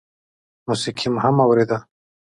موسيقي مو هم اورېده.